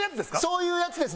そういうやつです。